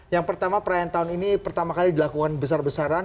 yang pertama perayaan tahun ini pertama kali dilakukan besar besaran